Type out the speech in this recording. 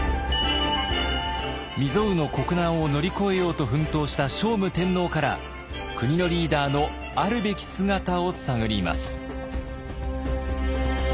未曽有の国難を乗り越えようと奮闘した聖武天皇から国のリーダーのあるべき姿を探ります。